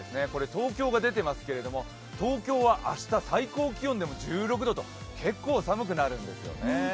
東京が出ていますけども、東京は明日最高気温でも１６度と結構寒くなるんですよね。